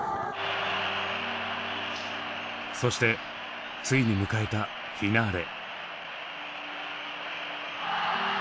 そしてついに迎えたフィナーレ。